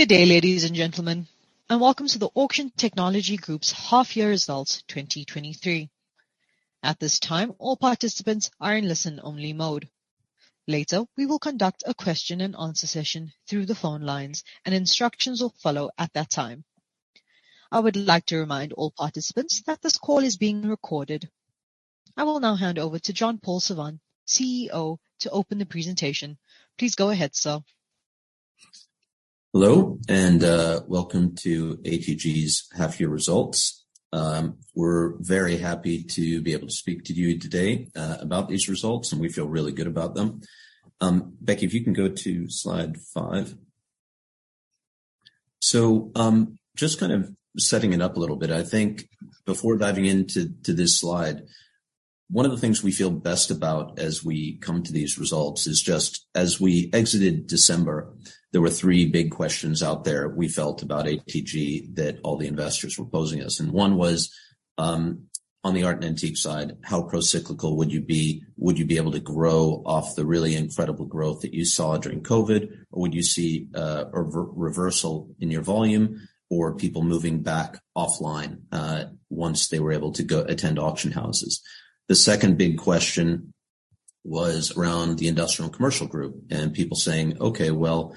Good day, ladies and gentlemen, and welcome to the Auction Technology Group's half-year results 2023. At this time, all participants are in listen-only mode. Later, we will conduct a question and answer session through the phone lines, and instructions will follow at that time. I would like to remind all participants that this call is being recorded. I will now hand over to John-Paul Savant, CEO, to open the presentation. Please go ahead, sir. Hello, welcome to ATG's half-year results. We're very happy to be able to speak to you today about these results, and we feel really good about them. Becky, if you can go to slide 5. Just kind of setting it up a little bit, I think before diving into this slide, one of the things we feel best about as we come to these results is just as we exited December, there were three big questions out there we felt about ATG that all the investors were posing us. One was, on the art and antique side, how procyclical would you be? Would you be able to grow off the really incredible growth that you saw during COVID, or would you see a reversal in your volume or people moving back offline once they were able to go attend auction houses? The second big question was around the Industrial Commercial group and people saying, "Okay, well,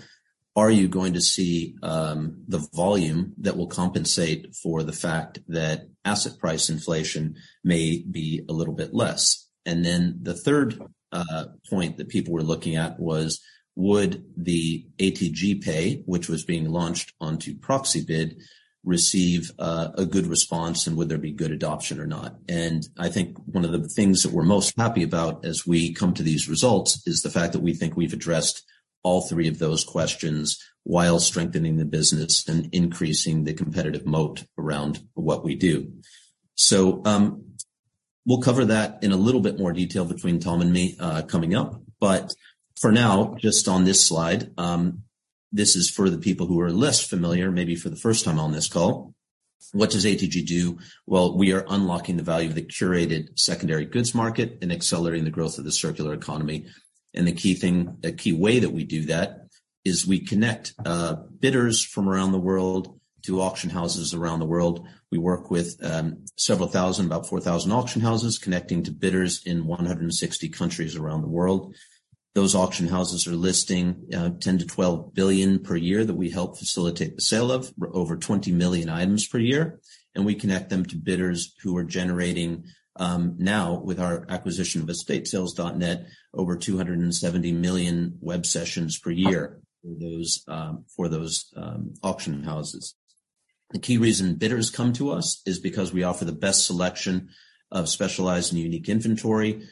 are you going to see the volume that will compensate for the fact that asset price inflation may be a little bit less?" The third point that people were looking at was, would the ATGPay, which was being launched onto Proxibid, receive a good response, and would there be good adoption or not? I think one of the things that we're most happy about as we come to these results is the fact that we think we've addressed all three of those questions while strengthening the business and increasing the competitive moat around what we do. We'll cover that in a little bit more detail between Tom and me coming up. For now, just on this slide, this is for the people who are less familiar, maybe for the first time on this call. What does ATG do? Well, we are unlocking the value of the curated secondary goods market and accelerating the growth of the circular economy. The key way that we do that is we connect bidders from around the world to auction houses around the world. We work with several thousand, about 4,000 auction houses, connecting to bidders in 160 countries around the world. Those auction houses are listing $10 billion-$12 billion per year that we help facilitate the sale of over 20 million items per year. We connect them to bidders who are generating, now with our acquisition of EstateSales.NET, over 270 million web sessions per year for those auction houses. The key reason bidders come to us is because we offer the best selection of specialized and unique inventory.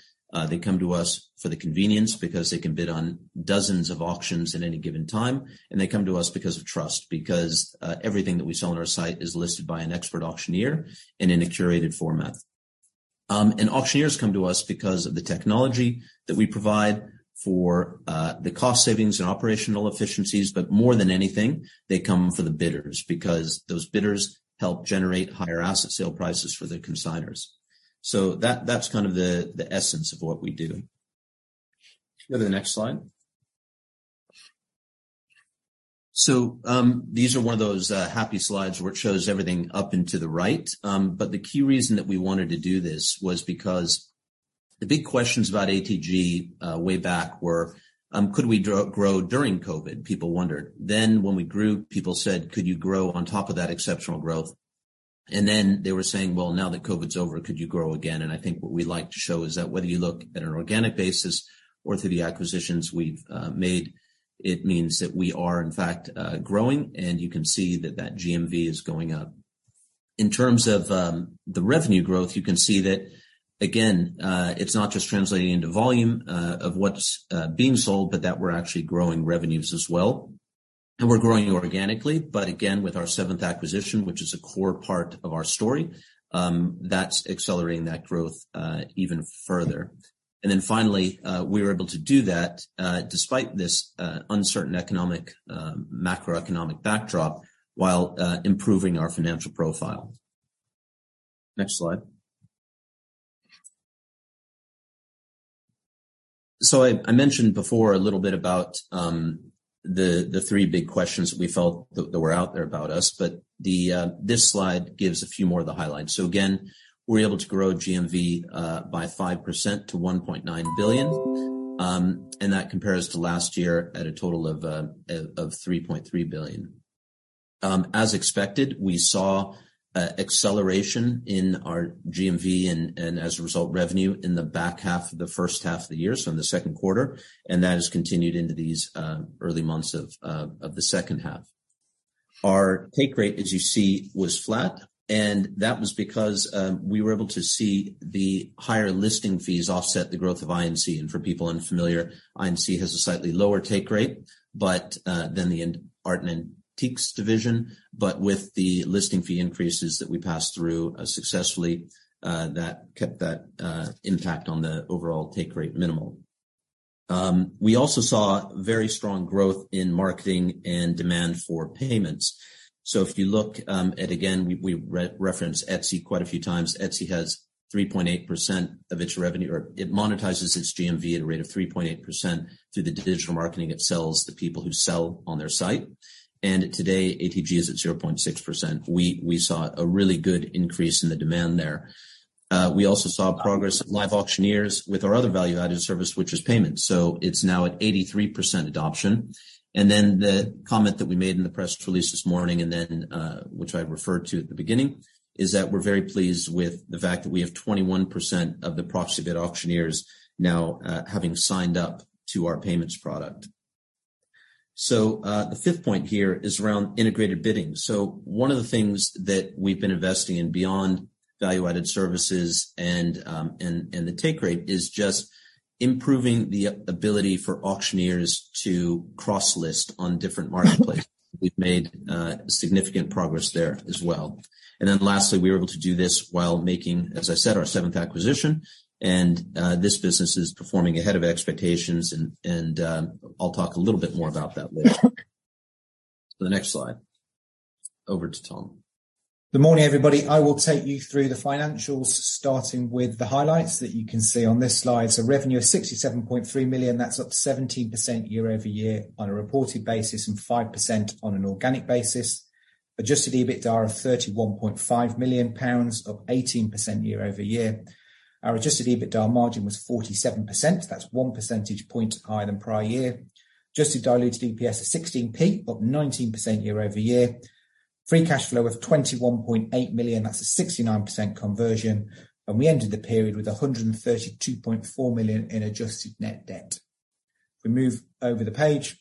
They come to us for the convenience because they can bid on dozens of auctions at any given time, they come to us because of trust, because everything that we sell on our site is listed by an expert auctioneer and in a curated format. Auctioneers come to us because of the technology that we provide for the cost savings and operational efficiencies. More than anything, they come for the bidders because those bidders help generate higher asset sale prices for the consignors. That, that's kind of the essence of what we do. Go to the next slide. These are one of those happy slides where it shows everything up and to the right. The key reason that we wanted to do this was because the big questions about ATG way back were, could we grow during COVID? People wondered. When we grew, people said, "Could you grow on top of that exceptional growth?" They were saying, "Well, now that COVID's over, could you grow again?" I think what we like to show is that whether you look at an organic basis or through the acquisitions we've made, it means that we are in fact growing, and you can see that that GMV is going up. In terms of the revenue growth, you can see that again, it's not just translating into volume of what's being sold, but that we're actually growing revenues as well. We're growing organically, but again, with our seventh acquisition, which is a core part of our story, that's accelerating that growth even further. Finally, we were able to do that despite this uncertain economic macroeconomic backdrop while improving our financial profile. Next slide. I mentioned before a little bit about the three big questions we felt that were out there about us, but this slide gives a few more of the highlights. Again, we are able to grow GMV by 5% to $1.9 billion. That compares to last year at a total of $3.3 billion. As expected, we saw acceleration in our GMV and as a result, revenue in the back half of the first half of the year, so in the second quarter. That has continued into these early months of the second half. Our take rate, as you see, was flat. That was because we were able to see the higher listing fees offset the growth of I&C. For people unfamiliar, I&C has a slightly lower take rate, but than the Art and Antiques division. With the listing fee increases that we passed through successfully, that kept that impact on the overall take rate minimal. We also saw very strong growth in marketing and demand for payments. If you look at again, we re-referenced Etsy quite a few times. Etsy has 3.8% of its revenue, or it monetizes its GMV at a rate of 3.8% through the digital marketing it sells to people who sell on their site. Today, ATG is at 0.6%. We saw a really good increase in the demand there. We also saw progress at LiveAuctioneers with our other value-added service, which was payments. It's now at 83% adoption. The comment that we made in the press release this morning, and then, which I referred to at the beginning, is that we're very pleased with the fact that we have 21% of the Proxibid auctioneers now, having signed up to our payments product. The fifth point here is around integrated bidding. One of the things that we've been investing in beyond value-added services and the Take Rate is just improving the ability for auctioneers to cross-list on different marketplaces. We've made, significant progress there as well. Lastly, we were able to do this while making, as I said, our seventh acquisition, and this business is performing ahead of expectations and I'll talk a little bit more about that later. To the next slide. Over to Tom. Good morning, everybody. I will take you through the financials, starting with the highlights that you can see on this slide. Revenue of 67.3 million, that's up 17% year-over-year on a reported basis and 5% on an organic basis. Adjusted EBITDA of 31.5 million pounds, up 18% year-over-year. Our Adjusted EBITDA margin was 47%. That's 1 percentage point higher than prior year. Adjusted diluted EPS of 0.16, up 19% year-over-year. Free cash flow of 21.8 million. That's a 69% conversion. We ended the period with 132.4 million in adjusted net debt. If we move over the page.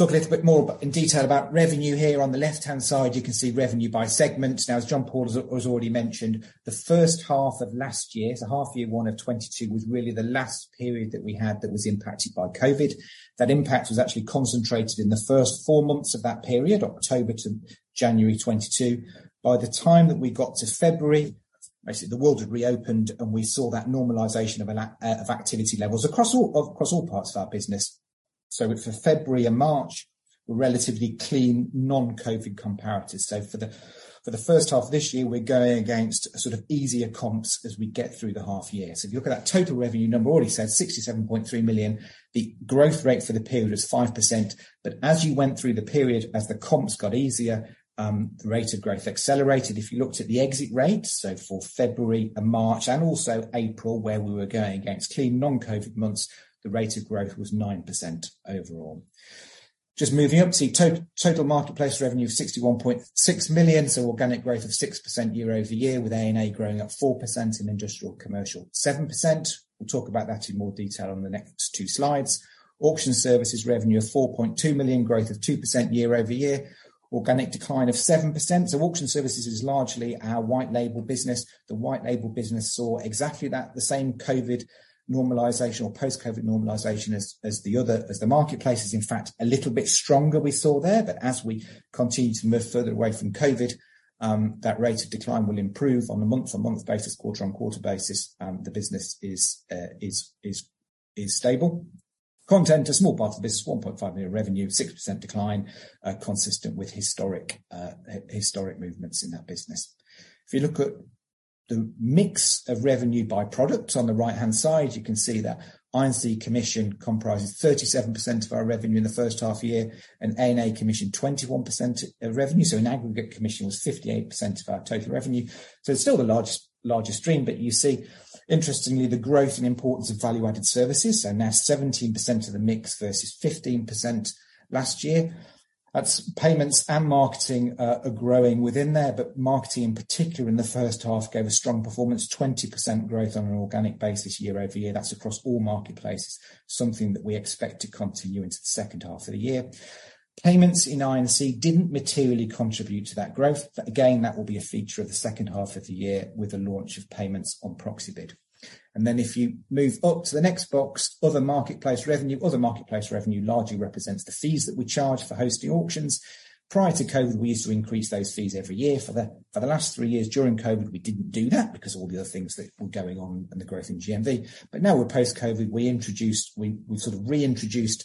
Talk a little bit more in detail about revenue here. On the left-hand side, you can see revenue by segment. As John-Paul has already mentioned, the first half of last year, so half year 1 of 2022, was really the last period that we had that was impacted by COVID. That impact was actually concentrated in the first four months of that period, October to January 2022. By the time that we got to February, basically the world had reopened, and we saw that normalization of activity levels across all parts of our business. For February and March, were relatively clean, non-COVID comparatives. For the first half of this year, we're going against sort of easier comps as we get through the half year. If you look at that total revenue number, I already said $67.3 million. The growth rate for the period was 5%. As you went through the period, as the comps got easier, the rate of growth accelerated. If you looked at the exit rates, for February and March and also April, where we were going against clean, non-COVID months, the rate of growth was 9% overall. Just moving up. Total marketplace revenue of $61.6 million, organic growth of 6% year-over-year, with A&A growing at 4% and I&C, 7%. We'll talk about that in more detail on the next two slides. Auction services revenue of $4.2 million, growth of 2% year-over-year. Organic decline of 7%. Auction services is largely our white label business. The white label business saw exactly that, the same COVID normalization or post-COVID normalization as the other, as the marketplace. It's in fact a little bit stronger we saw there. As we continue to move further away from COVID, that rate of decline will improve on a month-on-month basis, quarter-on-quarter basis. The business is stable. Content, a small part of the business, $1.5 million revenue, 6% decline, consistent with historic movements in that business. If you look at the mix of revenue by product on the right-hand side, you can see that I&C commission comprises 37% of our revenue in the first half year, and A&A commission, 21% revenue. In aggregate, commission was 58% of our total revenue. It's still the largest stream. You see, interestingly, the growth and importance of value-added services are now 17% of the mix versus 15% last year. That's payments and marketing are growing within there. Marketing, in particular, in the first half, gave a strong performance, 20% growth on an organic basis year-over-year. That's across all marketplaces, something that we expect to continue into the second half of the year. Payments in I&C didn't materially contribute to that growth. Again, that will be a feature of the second half of the year with the launch of payments on Proxibid. If you move up to the next box, other marketplace revenue. Other marketplace revenue largely represents the fees that we charge for hosting auctions. Prior to COVID, we used to increase those fees every year. For the last 3 years during COVID, we didn't do that because of all the other things that were going on and the growth in GMV. Now we're post-COVID. We introduced... We sort of reintroduced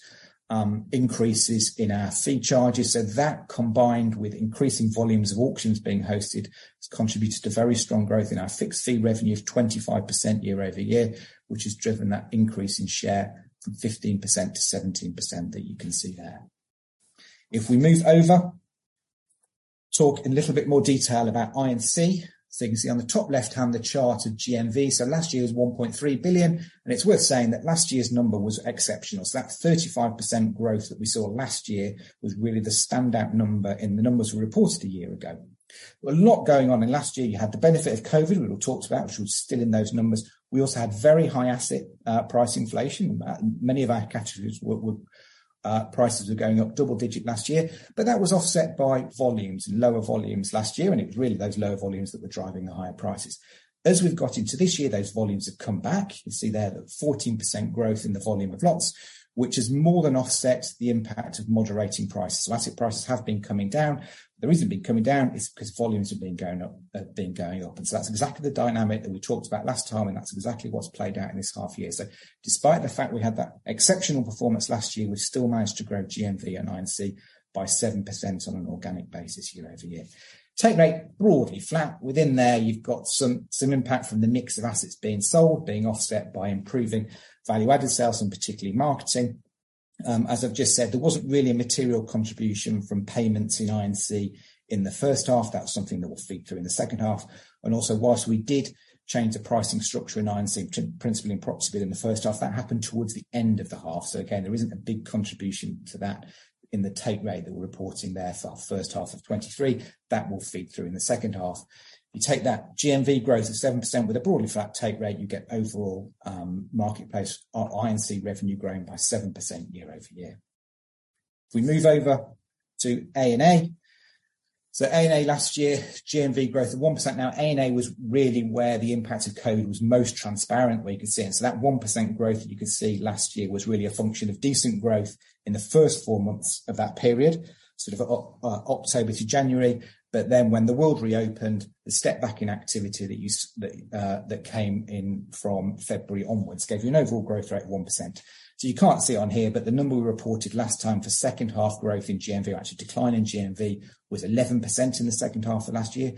increases in our fee charges. That, combined with increasing volumes of auctions being hosted, has contributed to very strong growth in our fixed fee revenue of 25% year-over-year, which has driven that increase in share from 15% to 17% that you can see there. If we move over, talk in a little bit more detail about I&C. You can see on the top left hand the chart of GMV. Last year was $1.3 billion. It's worth saying that last year's number was exceptional. That 35% growth that we saw last year was really the standout number in the numbers we reported a year ago. There were a lot going on in last year. You had the benefit of COVID, we all talked about, which was still in those numbers. We also had very high asset price inflation. Many of our categories were prices were going up double-digit last year. That was offset by volumes, lower volumes last year, and it was really those lower volumes that were driving the higher prices. As we've got into this year, those volumes have come back. You can see there the 14% growth in the volume of lots, which has more than offset the impact of moderating prices. Asset prices have been coming down. The reason they've been coming down is 'cause volumes have been going up. That's exactly the dynamic that we talked about last time, and that's exactly what's played out in this half year. Despite the fact we had that exceptional performance last year, we've still managed to grow GMV and I&C by 7% on an organic basis year-over-year. Take Rate broadly flat. Within there, you've got some impact from the mix of assets being sold, being offset by improving value-added sales and particularly marketing. As I've just said, there wasn't really a material contribution from payments in I&C in the first half. That's something that will feed through in the second half. Whilst we did change the pricing structure in I&C, principally in Proxibid in the first half, that happened towards the end of the half. Again, there isn't a big contribution to that in the Take Rate that we're reporting there for our first half of 2023. That will feed through in the second half. You take that GMV growth of 7% with a broadly flat Take Rate, you get overall, marketplace, I&C revenue growing by 7% year-over-year. If we move over to A&A. A&A last year, GMV growth of 1%. Now, A&A was really where the impact of COVID was most transparent, where you could see it. That 1% growth you could see last year was really a function of decent growth in the first four months of that period, sort of October to January. When the world reopened, the step back in activity that came in from February onwards gave you an overall growth rate of 1%. You can't see on here, but the number we reported last time for second half growth in GMV, actually decline in GMV, was 11% in the second half of last year.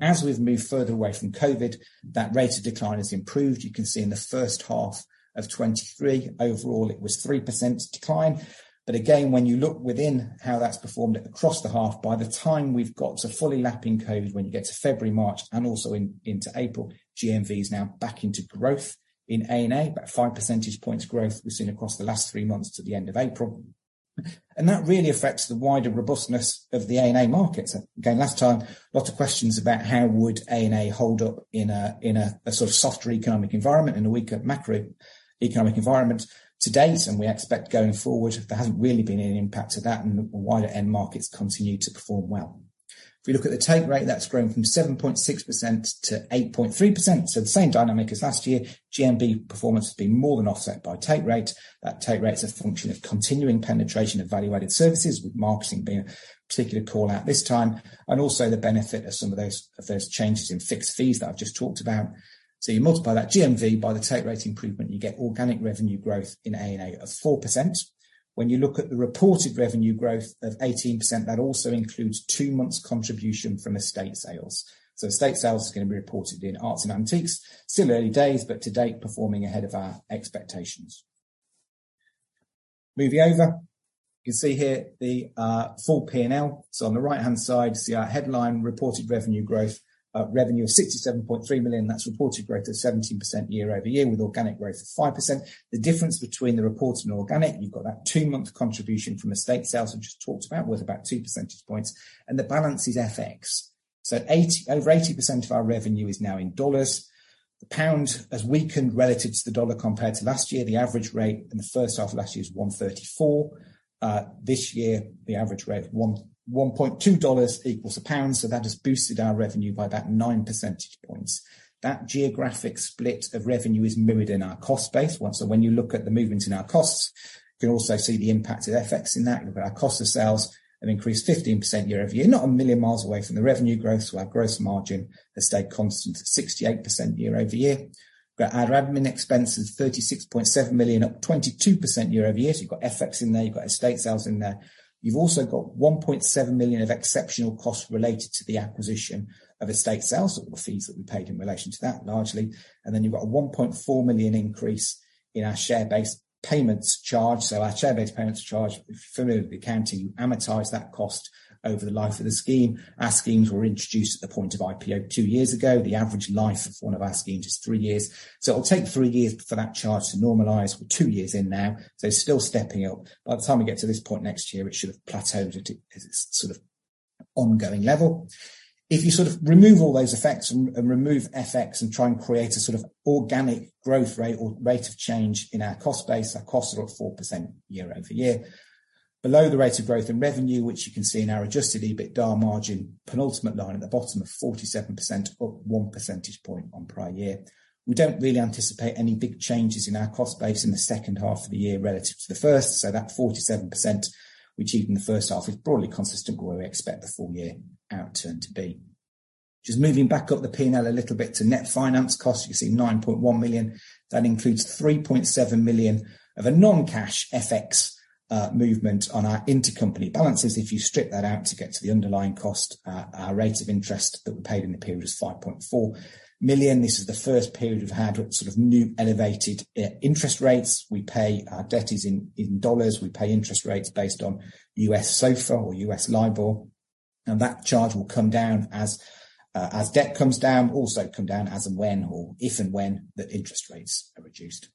As we've moved further away from COVID, that rate of decline has improved. You can see in the first half of 2023, overall, it was 3% decline. Again, when you look within how that's performed across the half, by the time we've got to fully lapping COVID, when you get to February, March, and also into April, GMV is now back into growth in A&A. About 5 percentage points growth we've seen across the last three months to the end of April. That really affects the wider robustness of the A&A markets. Last time, lots of questions about how would A&A hold up in a sort of softer economic environment, in a weaker macroeconomic environment. To date, we expect going forward, there hasn't really been any impact to that, and the wider end markets continue to perform well. If we look at the Take Rate, that's grown from 7.6% to 8.3%. The same dynamic as last year. GMV performance has been more than offset by Take Rate. That Take Rate is a function of continuing penetration of value-added services, with marketing being a particular call-out this time, and also the benefit of some of those changes in fixed fees that I've just talked about. You multiply that GMV by the Take Rate improvement, you get organic revenue growth in A&A of 4%. When you look at the reported revenue growth of 18%, that also includes two months contribution from EstateSales.NET. EstateSales.NET is going to be reported in A&A. Still early days, but to date, performing ahead of our expectations. Moving over. You can see here the full P&L. On the right-hand side, you see our headline reported revenue growth, revenue of $67.3 million. That's reported growth of 17% year-over-year with organic growth of 5%. The difference between the reported and organic, you've got that two-month contribution from EstateSales.NET I've just talked about, worth about 2 percentage points, and the balance is FX. Over 80% of our revenue is now in dollars. The pound has weakened relative to the dollar compared to last year. The average rate in the first half of last year is 1.34. This year, the average rate $1.2 equals GBP 1, so that has boosted our revenue by about 9 percentage points. That geographic split of revenue is mirrored in our cost base. When you look at the movement in our costs, you'll also see the impact of FX in that. Our cost of sales have increased 15% year-over-year, not a million miles away from the revenue growth. Our gross margin has stayed constant at 68% year-over-year. We've got our admin expenses, 36.7 million, up 22% year-over-year. You've got FX in there, you've got EstateSales.NET in there. You've also got 1.7 million of exceptional costs related to the acquisition of EstateSales.NET. All the fees that we paid in relation to that, largely. You've got a 1.4 million increase in our share-based payments charge. Our share-based payments charge, if you're familiar with the accounting, you amortize that cost over the life of the scheme. Our schemes were introduced at the point of IPO two years ago. The average life of one of our schemes is three years. It'll take three years for that charge to normalize. We're two years in now, so it's still stepping up. By the time we get to this point next year, it should have plateaued at its sort of ongoing level. If you sort of remove all those effects and remove FX and try and create a sort of organic growth rate or rate of change in our cost base, our costs are up 4% year-over-year. Below the rate of growth in revenue, which you can see in our Adjusted EBITDA margin penultimate line at the bottom of 47%, up 1 percentage point on prior year. We don't really anticipate any big changes in our cost base in the second half of the year relative to the first. That 47% we achieved in the first half is broadly consistent with where we expect the full year outturn to be. Just moving back up the P&L a little bit to net finance costs. You can see 9.1 million. That includes $3.7 million of a non-cash FX movement on our intercompany balances. If you strip that out to get to the underlying cost, our rate of interest that we paid in the period was $5.4 million. This is the first period we've had sort of new elevated interest rates. We pay our debt is in dollars. We pay interest rates based on US SOFR or US LIBOR. That charge will come down as debt comes down, also come down as and when or if and when the interest rates are reduced.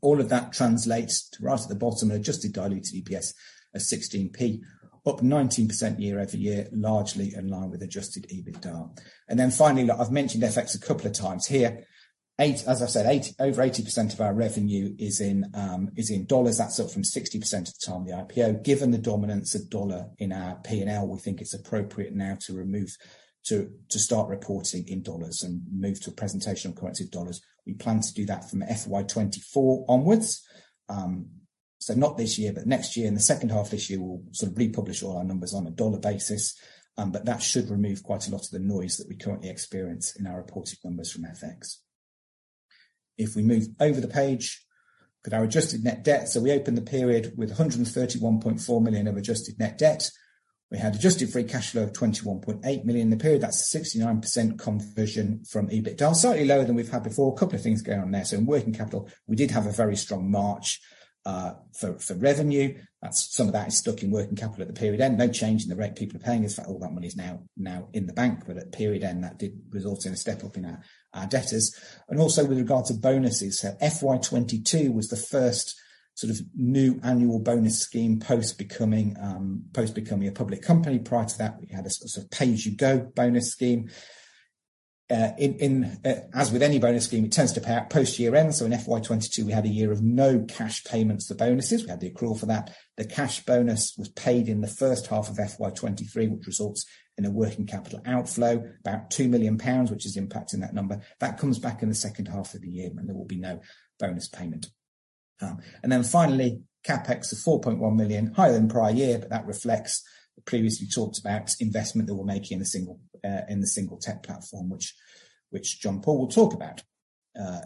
All of that translates to right at the bottom, Adjusted diluted EPS of 0.16, up 19% year-over-year, largely in line with Adjusted EBITDA. Finally, look, I've mentioned FX a couple of times here. As I've said, over 80% of our revenue is in dollars. That's up from 60% at the time of the IPO. Given the dominance of dollar in our P&L, we think it's appropriate now to start reporting in dollars and move to a presentation of currency in dollars. We plan to do that from FY 2024 onwards. So not this year, but next year. In the second half of this year, we'll sort of republish all our numbers on a dollar basis. That should remove quite a lot of the noise that we currently experience in our reported numbers from FX. If we move over the page with our adjusted net debt. We opened the period with 131.4 million of adjusted net debt. We had adjusted free cash flow of 21.8 million in the period. That's 69% conversion from EBITDA, slightly lower than we've had before. A couple of things going on there. In working capital, we did have a very strong March for revenue. Some of that is stuck in working capital at the period end. No change in the rate people are paying us for all that money is now in the bank. At period end, that did result in a step-up in our debtors. Also with regards to bonuses. FY 2022 was the first sort of new annual bonus scheme post becoming a public company. Prior to that, we had a sort of pay-as-you-go bonus scheme. As with any bonus scheme, it tends to pay out post year end. In FY 22 we had a year of no cash payments to bonuses. We had the accrual for that. The cash bonus was paid in the first half of FY 23, which results in a working capital outflow about 2 million pounds, which is impacting that number. That comes back in the second half of the year when there will be no bonus payment. Finally, CapEx of 4.1 million, higher than prior year. That reflects the previously talked about investment that we're making in the single tech platform, which John-Paul will talk about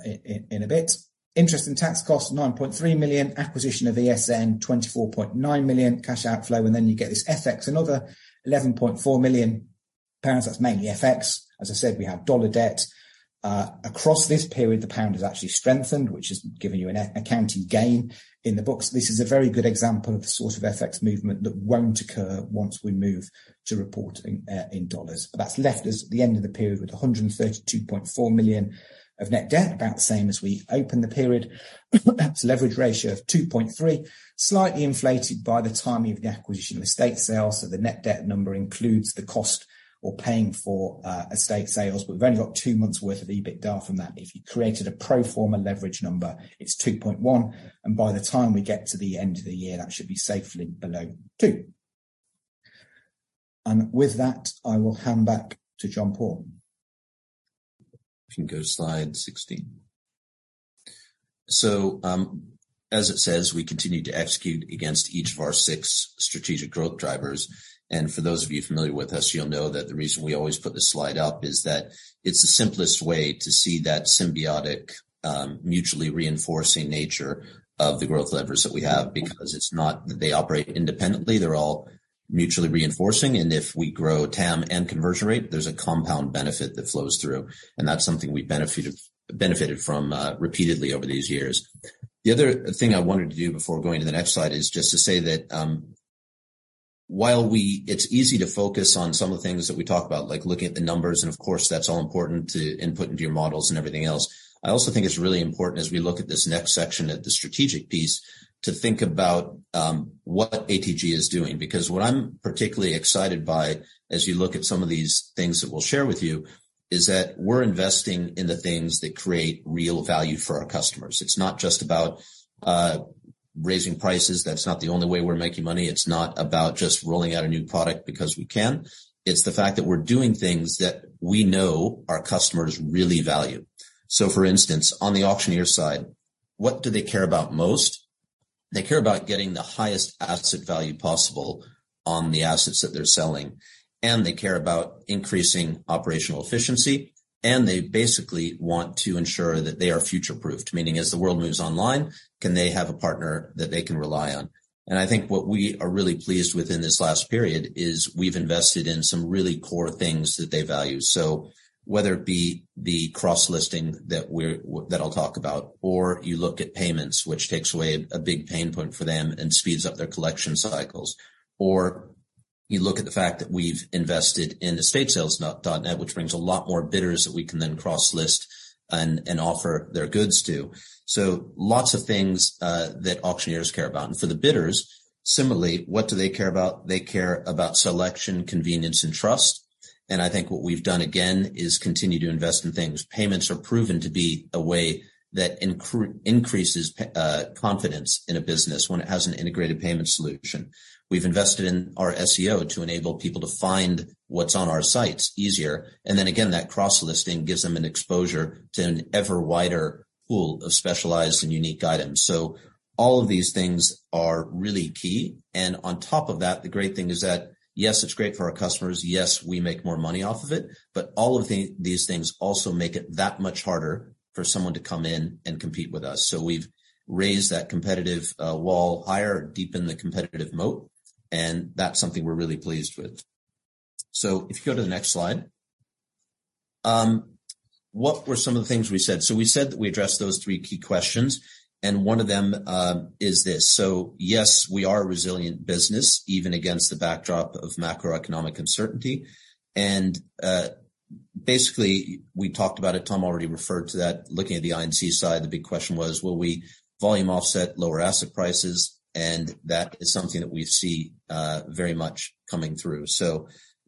in a bit. Interest and tax costs, 9.3 million. Acquisition of ESN, 24.9 million. Cash outflow, and then you get this FX, another 11.4 million pounds. That's mainly FX. As I said, we have dollar debt. Across this period, the pound has actually strengthened, which has given you an accounting gain in the books. This is a very good example of the sort of FX movement that won't occur once we move to reporting in dollars. That's left us at the end of the period with 132.4 million of net debt, about the same as we opened the period. That's leverage ratio of 2.3, slightly inflated by the timing of the acquisition Estate Sales. The net debt number includes the cost or paying for Estate Sales. We've only got two months' worth of EBITDA from that. If you created a pro forma leverage number, it's 2.1, and by the time we get to the end of the year, that should be safely below two. With that, I will hand back to John-Paul. You can go to slide 16. As it says, we continue to execute against each of our six strategic growth drivers. For those of you familiar with us, you'll know that the reason we always put this slide up is that it's the simplest way to see that symbiotic, mutually reinforcing nature of the growth levers that we have. It's not that they operate independently, they're all mutually reinforcing. If we grow TAM and conversion rate, there's a compound benefit that flows through. That's something we benefited from repeatedly over these years. The other thing I wanted to do before going to the next slide is just to say that, while it's easy to focus on some of the things that we talk about, like looking at the numbers, and of course, that's all important to input into your models and everything else. I also think it's really important as we look at this next section, at the strategic piece, to think about what ATG is doing. Because what I'm particularly excited by as you look at some of these things that we'll share with you, is that we're investing in the things that create real value for our customers. It's not just about raising prices. That's not the only way we're making money. It's not about just rolling out a new product because we can. It's the fact that we're doing things that we know our customers really value. For instance, on the auctioneer side, what do they care about most? They care about getting the highest asset value possible on the assets that they're selling, and they care about increasing operational efficiency, and they basically want to ensure that they are future-proofed. Meaning, as the world moves online, can they have a partner that they can rely on? I think what we are really pleased with in this last period is we've invested in some really core things that they value. Whether it be the cross-listing that I'll talk about, or you look at payments, which takes away a big pain point for them and speeds up their collection cycles. You look at the fact that we've invested in EstateSales.NET, which brings a lot more bidders that we can then cross list and offer their goods to. Lots of things that auctioneers care about. For the bidders, similarly, what do they care about? They care about selection, convenience and trust. I think what we've done again, is continue to invest in things. Payments are proven to be a way that increases confidence in a business when it has an integrated payment solution. We've invested in our SEO to enable people to find what's on our sites easier. Again, that cross listing gives them an exposure to an ever wider pool of specialized and unique items. All of these things are really key. On top of that, the great thing is that, yes, it's great for our customers, yes, we make more money off of it, but all of these things also make it that much harder for someone to come in and compete with us. We've raised that competitive wall higher and deepened the competitive moat, and that's something we're really pleased with. If you go to the next slide. What were some of the things we said? We said that we addressed those three key questions, and one of them is this. Yes, we are a resilient business, even against the backdrop of macroeconomic uncertainty. Basically, we talked about it. Tom already referred to that. Looking at the I&C side, the big question was, will we volume offset lower asset prices? That is something that we see very much coming through.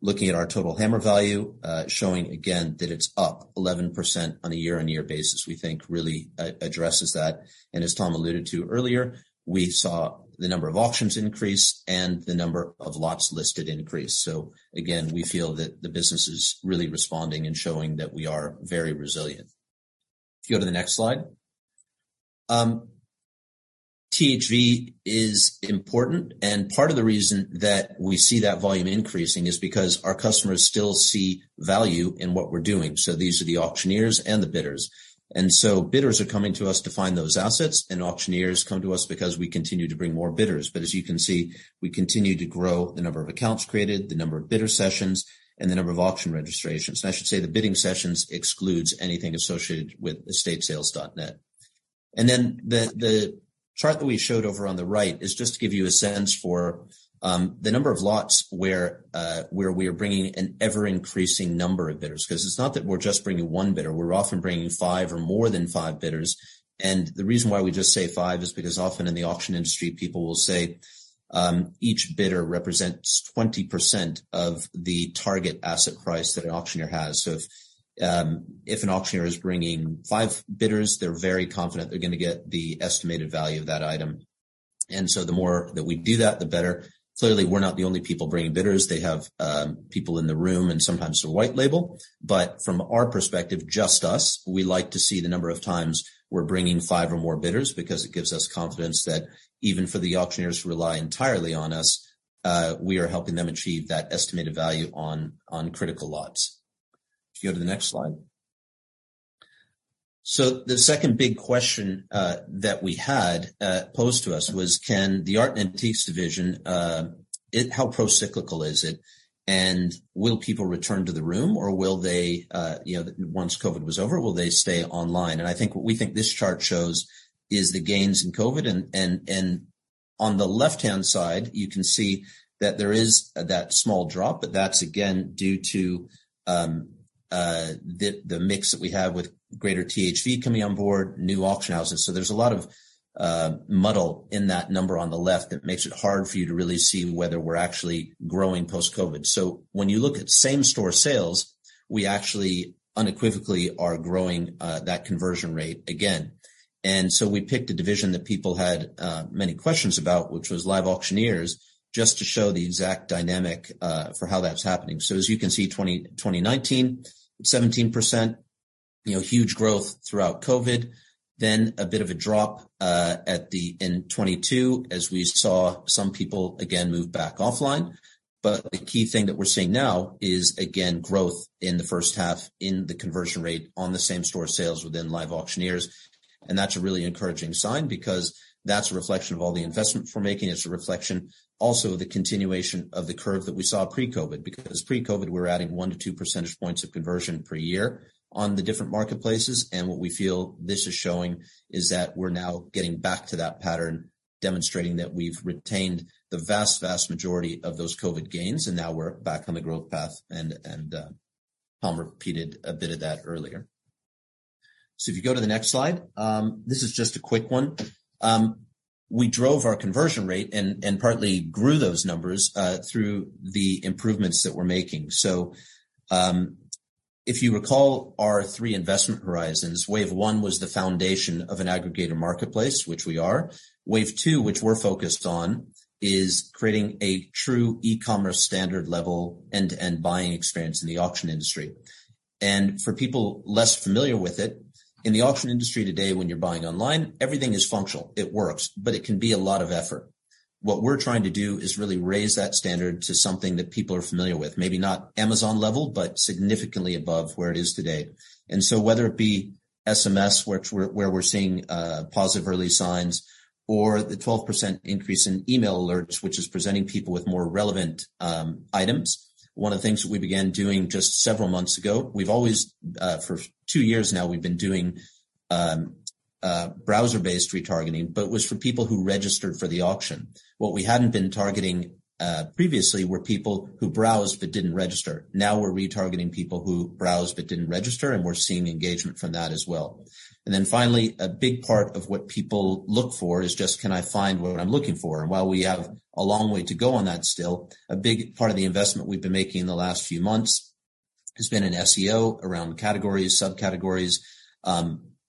Looking at our total hammer value, showing again that it's up 11% on a year-over-year basis, we think really addresses that. As Tom alluded to earlier, we saw the number of auctions increase and the number of lots listed increase. Again, we feel that the business is really responding and showing that we are very resilient. If you go to the next slide. THV is important, and part of the reason that we see that volume increasing is because our customers still see value in what we're doing. These are the auctioneers and the bidders. Bidders are coming to us to find those assets, and auctioneers come to us because we continue to bring more bidders. As you can see, we continue to grow the number of accounts created, the number of bidder sessions, and the number of auction registrations. I should say the bidding sessions excludes anything associated with EstateSales.NET. The chart that we showed over on the right is just to give you a sense for the number of lots where we are bringing an ever-increasing number of bidders. It's not that we're just bringing one bidder, we're often bringing five or more than five bidders. The reason why we just say five is because often in the auction industry, people will say each bidder represents 20% of the target asset price that an auctioneer has. If an auctioneer is bringing five bidders, they're very confident they're gonna get the estimated value of that item. The more that we do that, the better. Clearly, we're not the only people bringing bidders. They have people in the room and sometimes they're white label. From our perspective, just us, we like to see the number of times we're bringing five or more bidders because it gives us confidence that even for the auctioneers who rely entirely on us, we are helping them achieve that estimated value on critical lots. If you go to the next slide. The second big question that we had posed to us was can the art antiques division how pro-cyclical is it? Will people return to the room or will they, you know, once COVID was over, will they stay online? I think what we think this chart shows is the gains in COVID. On the left-hand side, you can see that there is that small drop, but that's again due to the mix that we have with greater THV coming on board, new auction houses. There's a lot of muddle in that number on the left that makes it hard for you to really see whether we're actually growing post-COVID. When you look at same-store sales, we actually unequivocally are growing that conversion rate again. We picked a division that people had many questions about, which was LiveAuctioneers, just to show the exact dynamic for how that's happening. As you can see, 2019, 17%, you know, huge growth throughout COVID. A bit of a drop in 2022 as we saw some people again move back offline. The key thing that we're seeing now is again, growth in the first half in the conversion rate on the same-store sales within LiveAuctioneers. That's a really encouraging sign because that's a reflection of all the investment we're making. It's a reflection also the continuation of the curve that we saw pre-COVID, because pre-COVID, we're adding 1 to 2 percentage points of conversion per year on the different marketplaces. What we feel this is showing is that we're now getting back to that pattern, demonstrating that we've retained the vast majority of those COVID gains, and now we're back on the growth path. Tom repeated a bit of that earlier. If you go to the next slide, this is just a quick one. We drove our conversion rate and partly grew those numbers through the improvements that we're making. If you recall our three investment horizons, wave one was the foundation of an aggregator marketplace, which we are. Wave two, which we're focused on, is creating a true e-commerce standard level end-to-end buying experience in the auction industry. For people less familiar with it, in the auction industry today, when you're buying online, everything is functional. It works, but it can be a lot of effort. What we're trying to do is really raise that standard to something that people are familiar with. Maybe not Amazon level, but significantly above where it is today. Whether it be SMS, where we're seeing positive early signs or the 12% increase in email alerts, which is presenting people with more relevant items. One of the things we began doing just several months ago, we've always, for two years now, we've been doing browser-based retargeting, but it was for people who registered for the auction. What we hadn't been targeting previously were people who browsed but didn't register. Now we're retargeting people who browsed but didn't register, we're seeing engagement from that as well. Finally, a big part of what people look for is just, "Can I find what I'm looking for?" While we have a long way to go on that still, a big part of the investment we've been making in the last few months has been in SEO around categories, subcategories,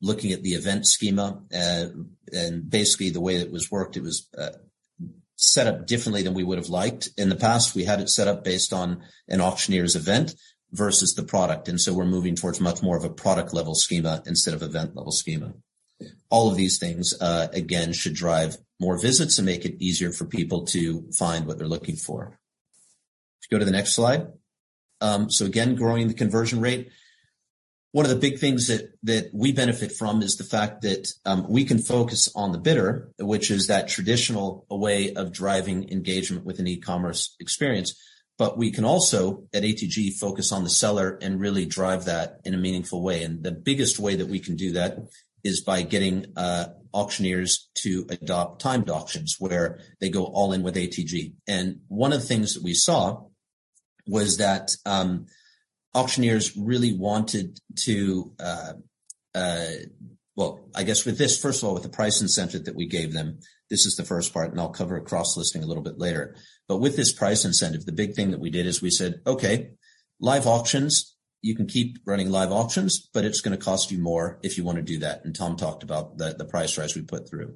looking at the event schema. Basically, the way it was worked, it was set up differently than we would have liked. In the past, we had it set up based on an auctioneer's event versus the product, we're moving towards much more of a product-level schema instead of event-level schema. All of these things, again, should drive more visits and make it easier for people to find what they're looking for. If you go to the next slide. Again, growing the conversion rate. One of the big things that we benefit from is the fact that we can focus on the bidder, which is that traditional way of driving engagement with an e-commerce experience. We can also, at ATG, focus on the seller and really drive that in a meaningful way. The biggest way that we can do that is by getting auctioneers to adopt timed auctions, where they go all in with ATG. Well, I guess with this, first of all, with the price incentive that we gave them, this is the first part, and I'll cover cross-listing a little bit later. With this price incentive, the big thing that we did is we said, "Okay, live auctions, you can keep running live auctions, but it's gonna cost you more if you wanna do that." Tom talked about the price rise we put through.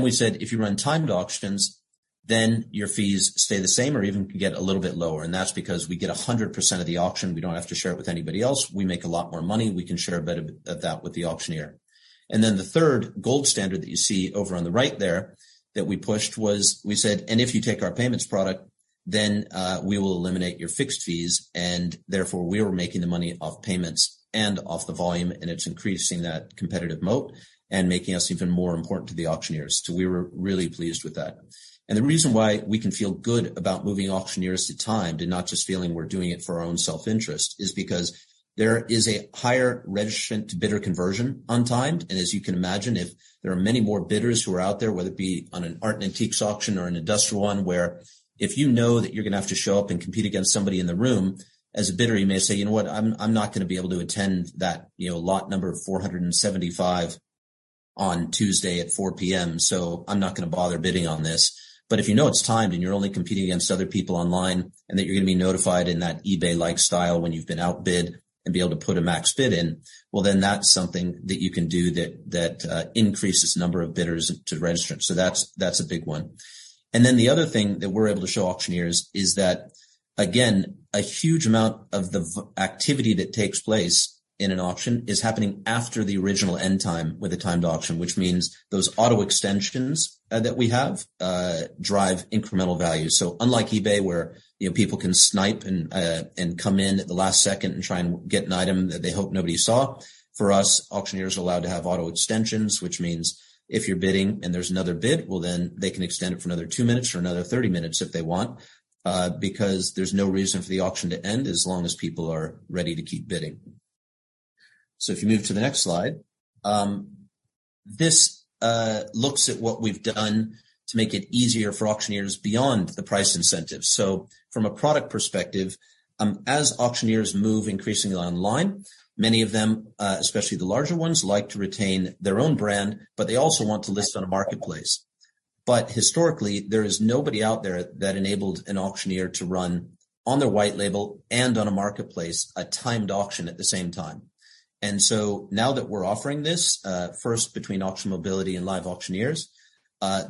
We said, "If you run timed auctions, then your fees stay the same or even get a little bit lower, and that's because we get 100% of the auction. We don't have to share it with anybody else. We make a lot more money. We can share a bit of that with the auctioneer. The third gold standard that you see over on the right there that we pushed was we said, "If you take our payments product, then we will eliminate your fixed fees." Therefore, we were making the money off payments and off the volume, and it's increasing that competitive moat and making us even more important to the auctioneers. We were really pleased with that. The reason why we can feel good about moving auctioneers to Timed and not just feeling we're doing it for our own self-interest is because there is a higher registrant-to-bidder conversion on Timed. As you can imagine, if there are many more bidders who are out there, whether it be on an art and antiques auction or an industrial one, where if you know that you're gonna have to show up and compete against somebody in the room, as a bidder, you may say, "You know what? I'm not gonna be able to attend that, you know, lot number 475 on Tuesday at 4:00 P.M., so I'm not gonna bother bidding on this." If you know it's timed, and you're only competing against other people online and that you're gonna be notified in that eBay-like style when you've been outbid and be able to put a max bid in, well, then that's something that you can do that increases number of bidders to registrants. That's a big one. The other thing that we're able to show auctioneers is that, again, a huge amount of the activity that takes place in an auction is happening after the original end time with a timed auction, which means those auto extensions that we have drive incremental value. Unlike eBay, where, you know, people can snipe and come in at the last second and try and get an item that they hope nobody saw, for us, auctioneers are allowed to have auto extensions which means if you're bidding and there's another bid, well, then they can extend it for another two minutes or another 30 minutes if they want because there's no reason for the auction to end as long as people are ready to keep bidding. If you move to the next slide. This looks at what we've done to make it easier for auctioneers beyond the price incentives. From a product perspective, as auctioneers move increasingly online, many of them, especially the larger ones, like to retain their own brand, but they also want to list on a marketplace. Historically, there is nobody out there that enabled an auctioneer to run on their white label and on a marketplace a timed auction at the same time. Now that we're offering this, first between AuctionMobility and LiveAuctioneers,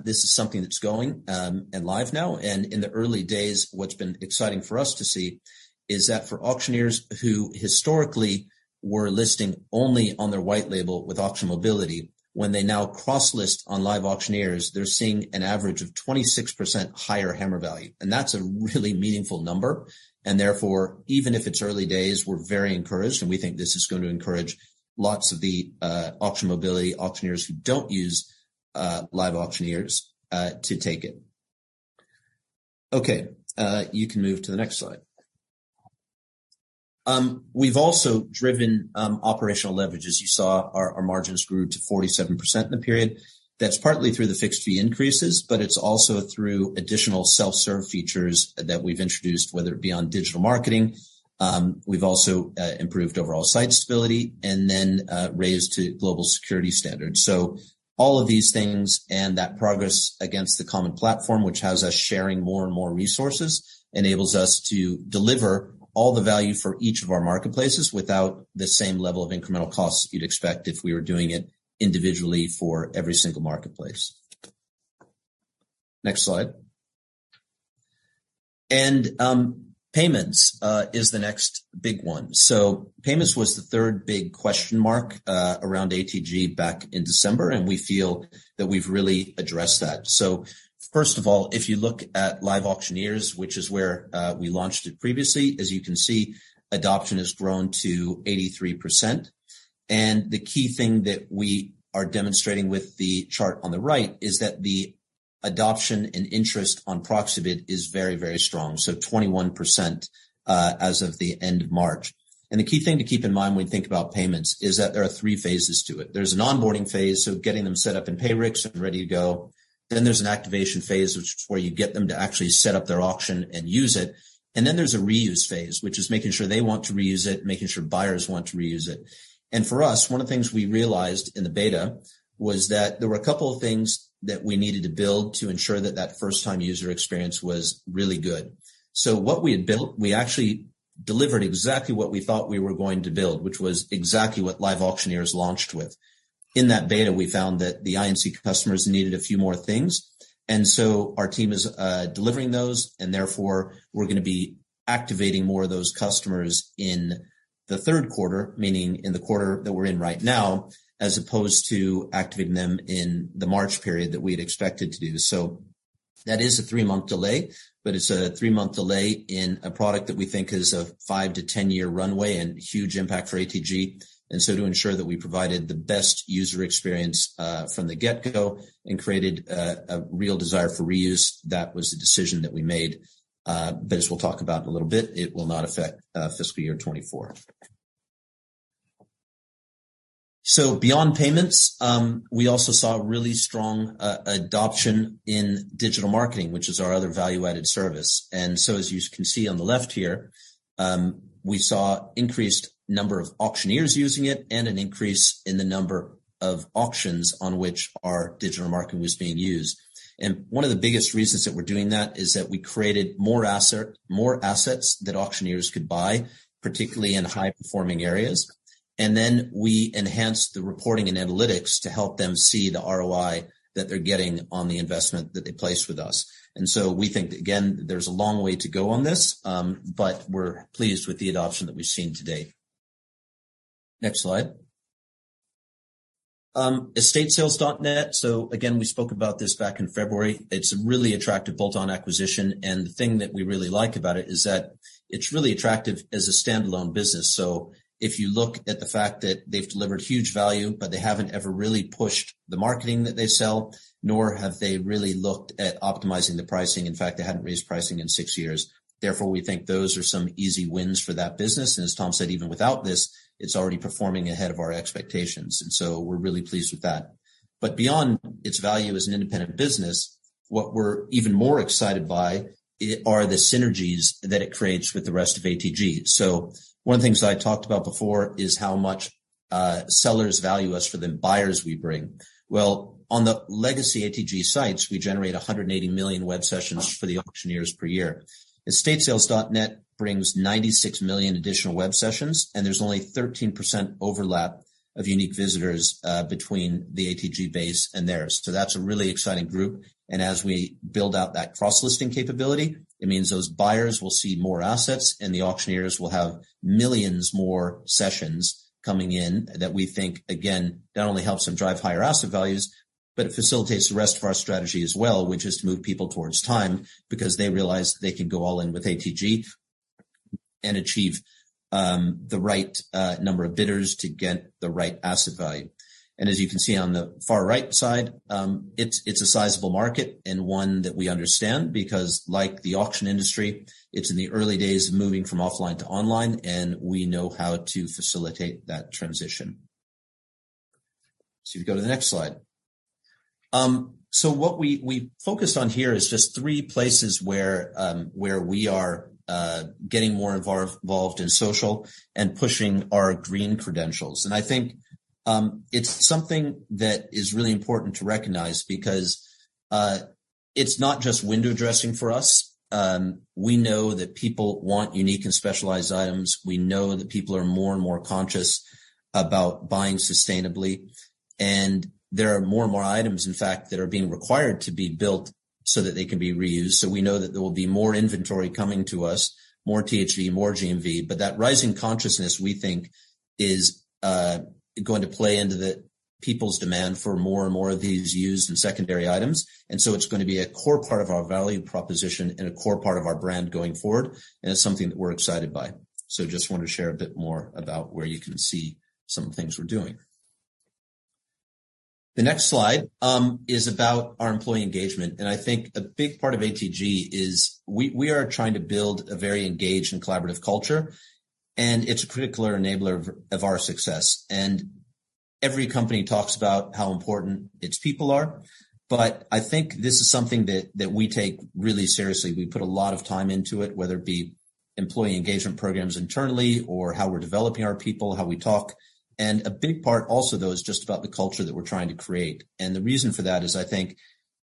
this is something that's going and live now. In the early days, what's been exciting for us to see is that for auctioneers who historically were listing only on their white label with AuctionMobility, when they now cross list on LiveAuctioneers, they're seeing an average of 26% higher hammer value. That's a really meaningful number. Therefore, even if it's early days, we're very encouraged, and we think this is gonna encourage lots of the Auction Mobility auctioneers who don't use LiveAuctioneers to take it. Okay. You can move to the next slide. We've also driven operational leverage. As you saw, our margins grew to 47% in the period. That's partly through the fixed fee increases, but it's also through additional self-serve features that we've introduced, whether it be on digital marketing. We've also improved overall site stability and then raised to global security standards. All of these things and that progress against the common platform, which has us sharing more and more resources, enables us to deliver all the value for each of our marketplaces without the same level of incremental costs you'd expect if we were doing it individually for every single marketplace. Next slide. Payments is the next big one. Payments was the three big question mark around ATG back in December, and we feel that we've really addressed that. First of all, if you look at LiveAuctioneers, which is where we launched it previously, as you can see, adoption has grown to 83%. The key thing that we are demonstrating with the chart on the right is that the adoption and interest on Proxibid is very, very strong. 21% as of the end of March. The key thing to keep in mind when you think about payments is that there are three phases to it. There's an onboarding phase, so getting them set up in Payrix and ready to go. There's an activation phase, which is where you get them to actually set up their auction and use it. There's a reuse phase, which is making sure they want to reuse it, making sure buyers want to reuse it. For us, one of the things we realized in the beta was that there were a couple of things that we needed to build to ensure that that first-time user experience was really good. What we had built, we actually delivered exactly what we thought we were going to build, which was exactly what LiveAuctioneers launched with. In that beta, we found that the I&C customers needed a few more things. Our team is delivering those, and therefore, we're gonna be activating more of those customers in the 3rd quarter, meaning in the quarter that we're in right now, as opposed to activating them in the March period that we had expected to do. That is a 3-month delay, but it's a 3-month delay in a product that we think is a 5-10-year runway and huge impact for ATG. To ensure that we provided the best user experience from the get-go and created a real desire for reuse, that was the decision that we made. As we'll talk about in a little bit, it will not affect fiscal year 2024. Beyond payments, we also saw really strong adoption in digital marketing, which is our other value-added service. As you can see on the left here, we saw increased number of auctioneers using it and an increase in the number of auctions on which our digital marketing was being used. One of the biggest reasons that we're doing that is that we created more assets that auctioneers could buy, particularly in high-performing areas. We enhance the reporting and analytics to help them see the ROI that they're getting on the investment that they place with us. We think that, again, there's a long way to go on this, but we're pleased with the adoption that we've seen to date. Next slide. EstateSales.NET. Again, we spoke about this back in February. It's a really attractive bolt-on acquisition, the thing that we really like about it is that it's really attractive as a standalone business. If you look at the fact that they've delivered huge value, but they haven't ever really pushed the marketing that they sell, nor have they really looked at optimizing the pricing. In fact, they hadn't raised pricing in six years. We think those are some easy wins for that business. As Tom said, even without this, it's already performing ahead of our expectations, we're really pleased with that. Beyond its value as an independent business, what we're even more excited by are the synergies that it creates with the rest of ATG. One of the things I talked about before is how much sellers value us for the buyers we bring. On the legacy ATG sites, we generate 180 million web sessions for the auctioneers per year. EstateSales.NET brings 96 million additional web sessions, and there's only 13% overlap of unique visitors between the ATG base and theirs. That's a really exciting group. As we build out that cross-listing capability, it means those buyers will see more assets, and the auctioneers will have millions more sessions coming in that we think, again, not only helps them drive higher asset values, but it facilitates the rest of our strategy as well, which is to move people towards time because they realize they can go all in with ATG and achieve the right number of bidders to get the right asset value. As you can see on the far right side, it's a sizable market and one that we understand because like the auction industry, it's in the early days of moving from offline to online, and we know how to facilitate that transition. If you go to the next slide. What we focused on here is just three places where we are getting more involved in social and pushing our green credentials. I think it's something that is really important to recognize because it's not just window dressing for us. We know that people want unique and specialized items. We know that people are more and more conscious about buying sustainably. There are more and more items, in fact, that are being required to be built so that they can be reused. We know that there will be more inventory coming to us, more THV, more GMV. That rising consciousness, we think, is going to play into the people's demand for more and more of these used and secondary items. It's going to be a core part of our value proposition and a core part of our brand going forward, and it's something that we're excited by. Just wanted to share a bit more about where you can see some of the things we're doing. The next slide is about our employee engagement, and I think a big part of ATG is we are trying to build a very engaged and collaborative culture, and it's a critical enabler of our success. Every company talks about how important its people are. I think this is something that we take really seriously. We put a lot of time into it, whether it be employee engagement programs internally or how we're developing our people, how we talk. A big part also, though, is just about the culture that we're trying to create. The reason for that is I think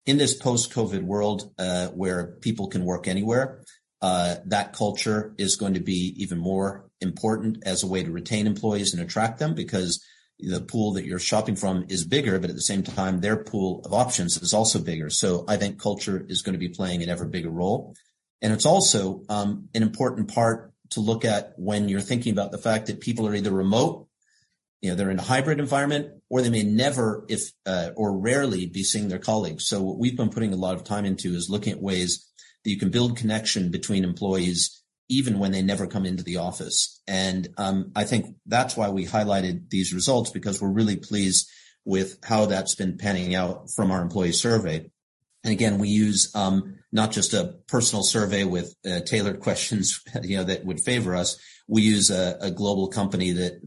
in this post-COVID world, where people can work anywhere, that culture is going to be even more important as a way to retain employees and attract them because the pool that you're shopping from is bigger, but at the same time, their pool of options is also bigger. I think culture is gonna be playing an ever bigger role. It's also an important part to look at when you're thinking about the fact that people are either remote, you know, they're in a hybrid environment, or they may never if or rarely be seeing their colleagues. What we've been putting a lot of time into is looking at ways that you can build connection between employees even when they never come into the office. I think that's why we highlighted these results because we're really pleased with how that's been panning out from our employee survey. Again, we use, not just a personal survey with tailored questions, you know, that would favor us. We use a global company that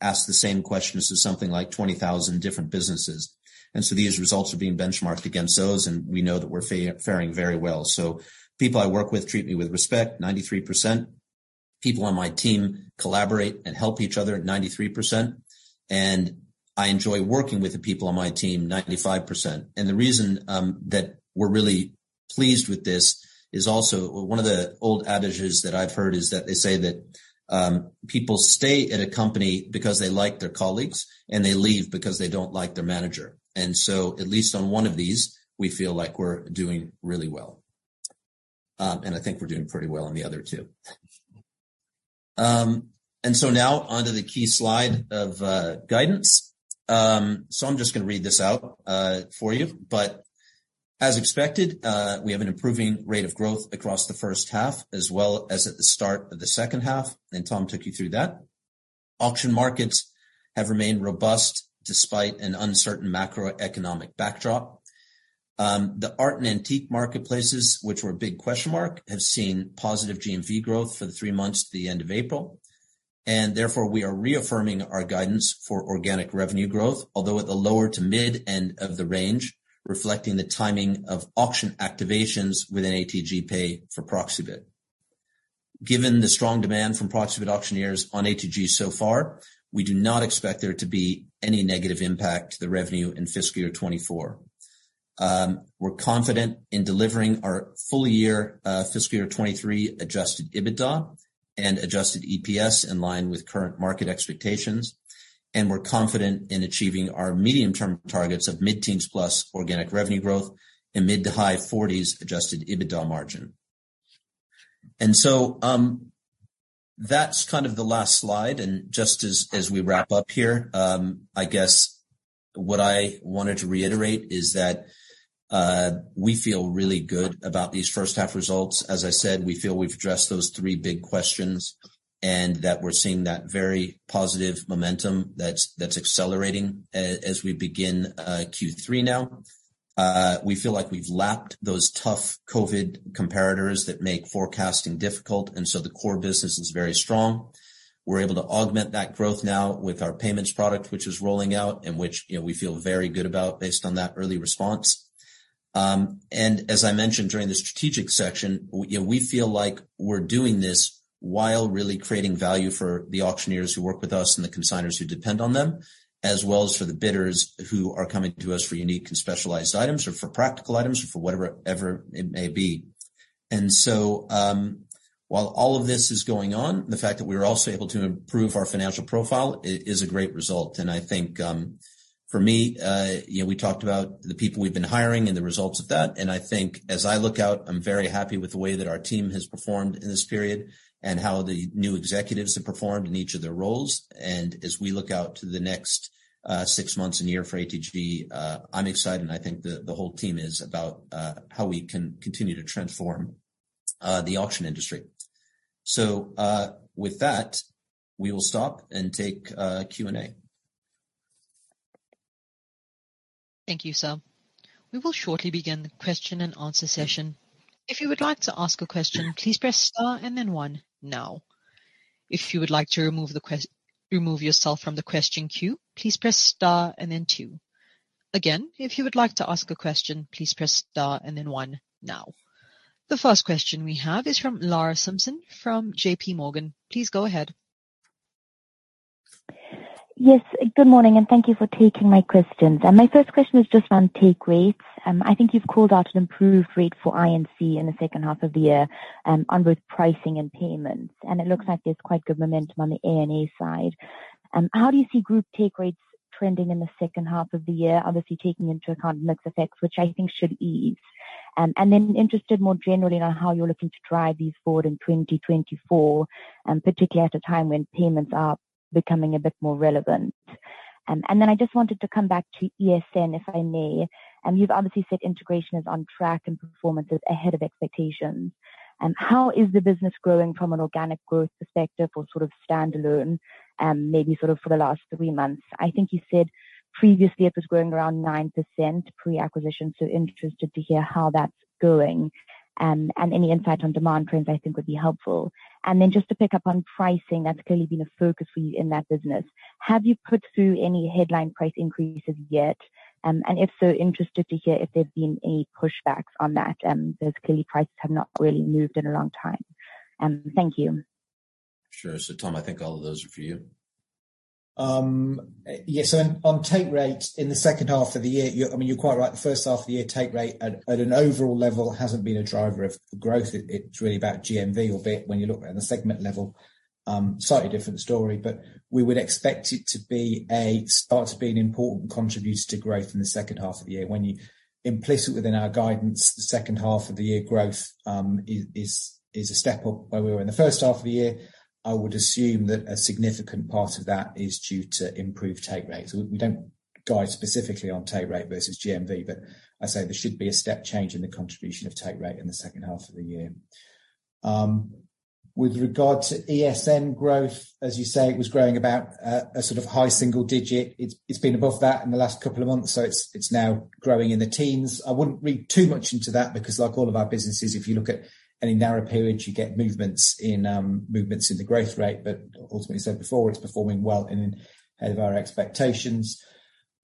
asks the same questions to something like 20,000 different businesses. These results are being benchmarked against those, and we know that we're far-faring very well. People I work with treat me with respect, 93%. People on my team collaborate and help each other at 93%. I enjoy working with the people on my team 95%. The reason that we're really pleased with this is also one of the old adages that I've heard is that they say that people stay at a company because they like their colleagues, and they leave because they don't like their manager. At least on one of these, we feel like we're doing really well. I think we're doing pretty well on the other two. Now on to the key slide of guidance. I'm just gonna read this out for you. As expected, we have an improving rate of growth across the first half as well as at the start of the second half, and Tom took you through that. Auction markets have remained robust despite an uncertain macroeconomic backdrop. The art and antique marketplaces, which were a big question mark, have seen positive GMV growth for the 3 months to the end of April. Therefore, we are reaffirming our guidance for organic revenue growth, although at the lower to mid end of the range, reflecting the timing of auction activations within ATGPay for Proxibid. Given the strong demand from Proxibid auctioneers on ATG so far, we do not expect there to be any negative impact to the revenue in fiscal year 2024. We're confident in delivering our full year fiscal year 2023 Adjusted EBITDA and Adjusted EPS in line with current market expectations. We're confident in achieving our medium-term targets of mid-teens%+ organic revenue growth and mid to high 40% Adjusted EBITDA margin. That's kind of the last slide. Just as we wrap up here, I guess what I wanted to reiterate is that we feel really good about these first half results. We feel we've addressed those three big questions, and that we're seeing that very positive momentum that's accelerating as we begin Q3 now. We feel like we've lapped those tough COVID comparators that make forecasting difficult. The core business is very strong. We're able to augment that growth now with our payments product, which is rolling out and which, you know, we feel very good about based on that early response. As I mentioned during the strategic section, you know, we feel like we're doing this while really creating value for the auctioneers who work with us and the consigners who depend on them, as well as for the bidders who are coming to us for unique and specialized items or for practical items or for whatever it may be. While all of this is going on, the fact that we are also able to improve our financial profile is a great result. I think, for me, you know, we talked about the people we've been hiring and the results of that, and I think as I look out, I'm very happy with the way that our team has performed in this period and how the new executives have performed in each of their roles. As we look out to the next six months and year for ATG, I'm excited, and I think the whole team is about, how we can continue to transform, the auction industry. With that, we will stop and take, Q&A. Thank you, sir. We will shortly begin the question and answer session. If you would like to ask a question, please press star and then one now. If you would like to remove yourself from the question queue, please press star and then two. Again, if you would like to ask a question, please press star and then one now. The first question we have is from Lara Simpson from J.P. Morgan. Please go ahead. Yes, good morning, thank you for taking my questions. My first question is just on Take Rates. I think you've called out an improved rate for I&C in the second half of the year on both pricing and payments. It looks like there's quite good momentum on the ANA side. How do you see group Take Rates trending in the second half of the year, obviously taking into account mix effects, which I think should ease? Then interested more generally on how you're looking to drive these forward in 2024, and particularly at a time when payments are becoming a bit more relevant. Then I just wanted to come back to ESN, if I may. You've obviously said integration is on track and performance is ahead of expectations. How is the business growing from an organic growth perspective or sort of standalone, maybe sort of for the last three months? I think you said previously it was growing around 9% pre-acquisition, so interested to hear how that's going, and any insight on demand trends I think would be helpful. Just to pick up on pricing, that's clearly been a focus for you in that business. Have you put through any headline price increases yet? If so, interested to hear if there have been any pushbacks on that, because clearly prices have not really moved in a long time. Thank you. Sure. Tom, I think all of those are for you. Yes. On, on Take Rate in the second half of the year, you're, I mean, you're quite right. The first half of the year Take Rate at an overall level hasn't been a driver of growth. It, it's really about GMV or BIT when you look at the segment level. Slightly different story, but we would expect it to start to be an important contributor to growth in the second half of the year. Implicit within our guidance, the second half of the year growth is a step up where we were in the first half of the year. I would assume that a significant part of that is due to improved Take Rates. We don't guide specifically on Take Rate versus GMV, but I say there should be a step change in the contribution of Take Rate in the second half of the year. With regard to ESN growth, as you say, it was growing about a sort of high single digit. It's been above that in the last couple of months, so it's now growing in the teens. I wouldn't read too much into that because like all of our businesses, if you look at any narrow periods, you get movements in movements in the growth rate. Ultimately, as I said before, it's performing well and ahead of our expectations.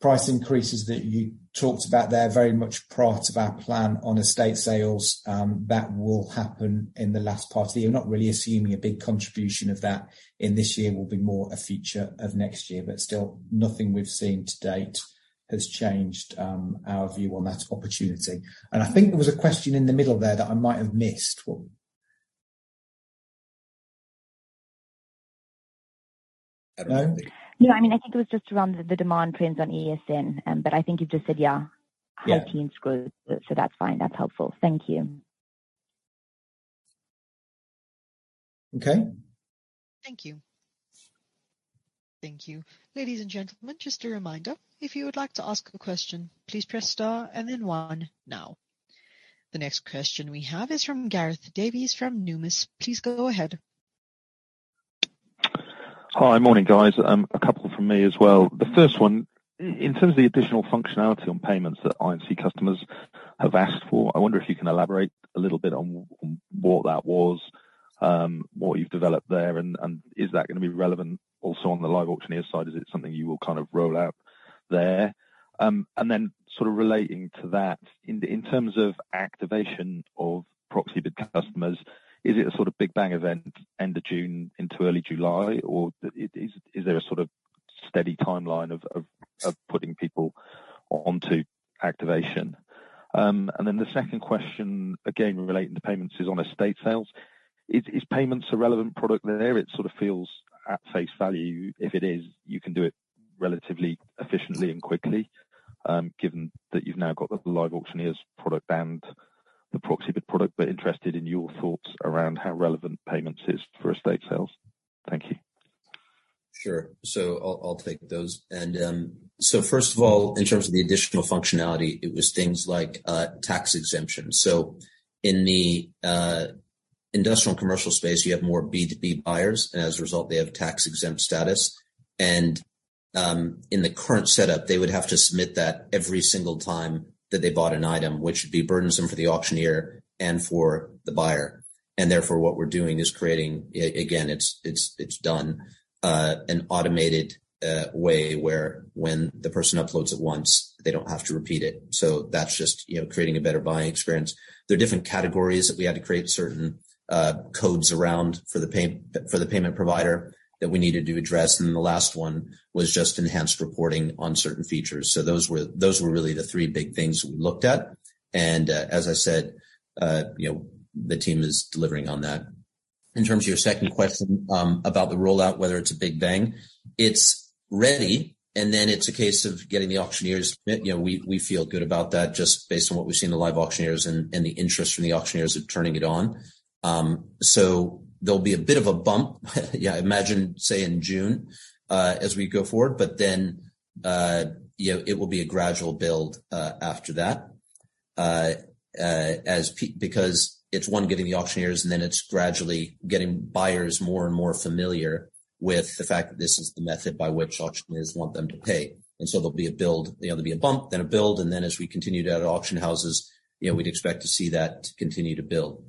Price increases that you talked about there are very much part of our plan on estate sales. That will happen in the last part of the year. We're not really assuming a big contribution of that in this year. It will be more a feature of next year. Still, nothing we've seen to date has changed, our view on that opportunity. I think there was a question in the middle there that I might have missed. What? No? No. I mean, I think it was just around the demand trends on ESN. I think you've just said, yeah. Yeah. High teens growth. That's fine. That's helpful. Thank you. Okay. Thank you. Thank you. Ladies and gentlemen, just a reminder, if you would like to ask a question, please press star and then one now. The next question we have is from Gareth Davies, from Numis. Please go ahead. Hi. Morning, guys. A couple from me as well. The first one, in terms of the additional functionality on payments that I&C customers have asked for, I wonder if you can elaborate a little bit on what that was, what you've developed there, and is that going to be relevant also on the LiveAuctioneers side? Is it something you will kind of roll out there? Then sort of relating to that, in terms of activation of Proxibid customers, is it a sort of big bang event end of June into early July, or is there a sort of steady timeline of putting people onto activation. Then the second question, again, relating to payments is on estate sales. Is payments a relevant product there? It sort of feels at face value, if it is, you can do it relatively efficiently and quickly, given that you've now got the LiveAuctioneers product and the Proxibid product. Interested in your thoughts around how relevant payments is for estate sales. Thank you. I'll take those. First of all, in terms of the additional functionality, it was things like tax exemption. In the Industrial & Commercial space, you have more B2B buyers. As a result, they have tax-exempt status. In the current setup, they would have to submit that every single time that they bought an item, which would be burdensome for the auctioneer and for the buyer. Therefore, what we're doing is creating again, it's done, an automated way where when the person uploads it once, they don't have to repeat it. That's just, you know, creating a better buying experience. There are different categories that we had to create certain codes around for the payment provider that we needed to address. The last one was just enhanced reporting on certain features. Those were really the 3 big things we looked at. As I said, you know, the team is delivering on that. In terms of your 2nd question, about the rollout, whether it's a big bang, it's ready, and then it's a case of getting the auctioneers. You know, we feel good about that just based on what we've seen in the LiveAuctioneers and the interest from the auctioneers of turning it on. There'll be a bit of a bump, yeah, imagine, say, in June, as we go forward. You know, it will be a gradual build after that. Because it's one, getting the auctioneers, and then it's gradually getting buyers more and more familiar with the fact that this is the method by which auctioneers want them to pay. There'll be a build. There'll be a bump, then a build, and then as we continue to add auction houses, you know, we'd expect to see that continue to build.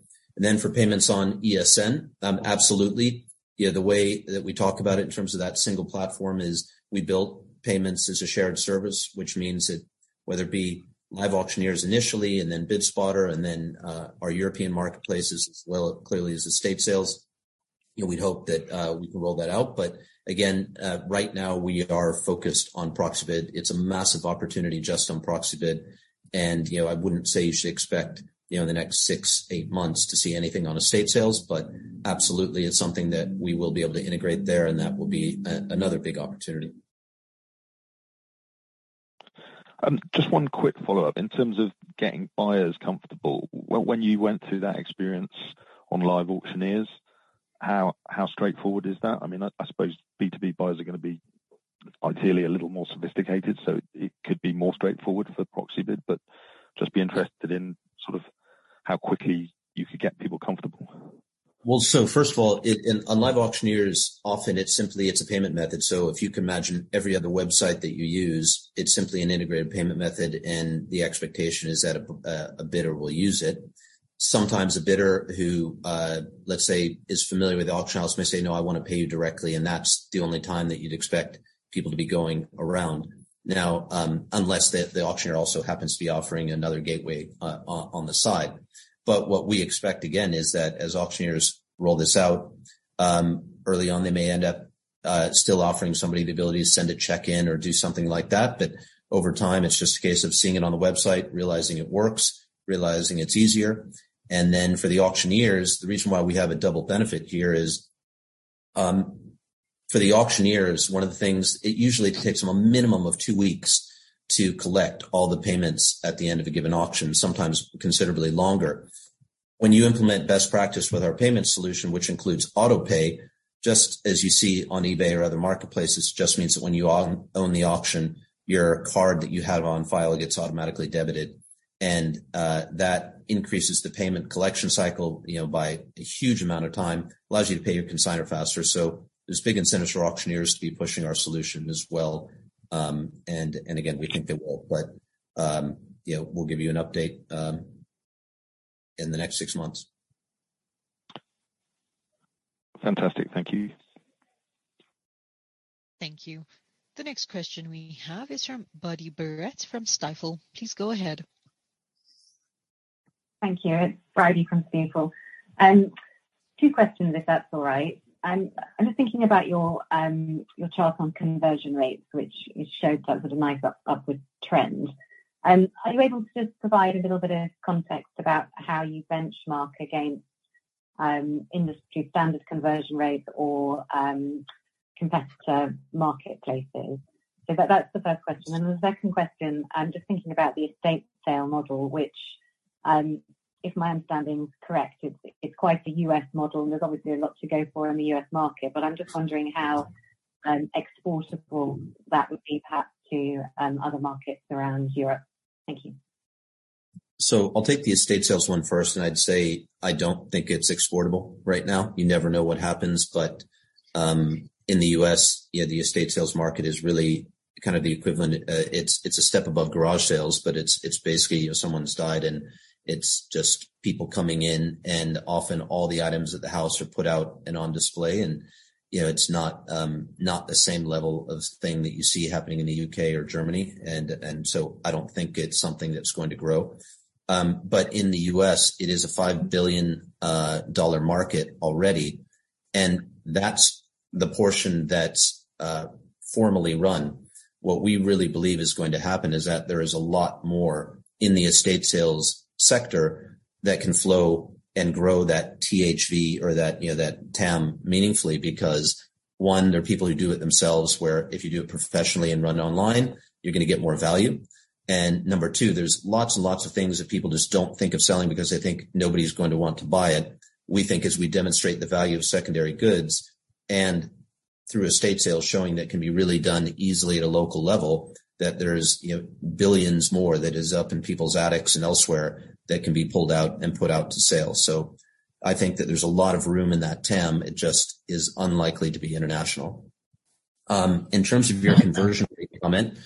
For payments on ESN, absolutely. You know, the way that we talk about it in terms of that single platform is we built payments as a shared service, which means that whether it be LiveAuctioneers initially and then BidSpotter and then our European marketplaces as well, clearly, as estate sales, you know, we'd hope that we can roll that out. Right now we are focused on Proxibid. It's a massive opportunity just on Proxibid. You know, I wouldn't say you should expect, you know, in the next six, eight months to see anything on Estate Sales, but absolutely it's something that we will be able to integrate there, and that will be another big opportunity. Just one quick follow-up. In terms of getting buyers comfortable, when you went through that experience on LiveAuctioneers, how straightforward is that? I mean, I suppose B2B buyers are gonna be ideally a little more sophisticated, so it could be more straightforward for Proxibid, but just be interested in sort of how quickly you could get people comfortable. First of all, on LiveAuctioneers, often it's simply a payment method. If you can imagine every other website that you use, it's simply an integrated payment method, and the expectation is that a bidder will use it. Sometimes a bidder who, let's say, is familiar with the auction house may say, "No, I wanna pay you directly," and that's the only time that you'd expect people to be going around. Unless the auctioneer also happens to be offering another gateway on the side. What we expect, again, is that as auctioneers roll this out, early on, they may end up still offering somebody the ability to send a check in or do something like that. Over time, it's just a case of seeing it on the website, realizing it works, realizing it's easier. Then for the auctioneers, the reason why we have a double benefit here is, for the auctioneers, one of the things. It usually takes them a minimum of two weeks to collect all the payments at the end of a given auction, sometimes considerably longer. When you implement best practice with our payment solution, which includes auto-pay, just as you see on eBay or other marketplaces, it just means that when you own the auction, your card that you have on file gets automatically debited. That increases the payment collection cycle, you know, by a huge amount of time, allows you to pay your consignor faster. There's big incentives for auctioneers to be pushing our solution as well. Again, we think they will. You know, we'll give you an update in the next six months. Fantastic. Thank you. Thank you. The next question we have is from Bridie Barrett from Stifel. Please go ahead. Thank you. It's Bridie from Stifel. Two questions, if that's all right. I'm just thinking about your chart on conversion rates, which showed that sort of nice upward trend. Are you able to just provide a little bit of context about how you benchmark against industry standard conversion rates or competitor marketplaces? That's the first question. The second question, I'm just thinking about the estate sale model, which, if my understanding is correct, it's quite a U.S. model, and there's obviously a lot to go for in the U.S. market. I'm just wondering how exportable that would be perhaps to other markets around Europe. Thank you. I'll take the estate sales one first, and I'd say I don't think it's exportable right now. You never know what happens. In the U.S., you know, the estate sales market is really kind of the equivalent, it's a step above garage sales, but it's basically, you know, someone's died, and it's just people coming in, and often all the items at the house are put out and on display. You know, it's not the same level of thing that you see happening in the U.K. or Germany. I don't think it's something that's going to grow. In the U.S., it is a $5 billion market already. That's the portion that's formally run. What we really believe is going to happen is that there is a lot more in the estate sales sector that can flow and grow that THV or that, you know, that TAM meaningfully, because, one, there are people who do it themselves, where if you do it professionally and run online, you're gonna get more value. Number 2, there's lots and lots of things that people just don't think of selling because they think nobody's going to want to buy it. We think as we demonstrate the value of secondary goods and through estate sales showing that can be really done easily at a local level, that there's, you know, $billions more that is up in people's attics and elsewhere that can be pulled out and put out to sale. I think that there's a lot of room in that TAM. It just is unlikely to be international. In terms of your conversion rate comment,